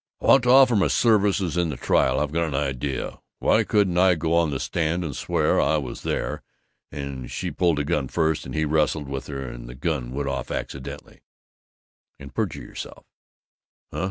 "I want to offer my services in the trial. I've got an idea. Why couldn't I go on the stand and swear I was there, and she pulled the gun first and he wrestled with her and the gun went off accidentally?" "And perjure yourself?"